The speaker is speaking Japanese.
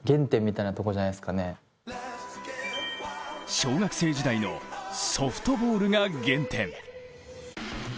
小学生時代のソフトボールが原点。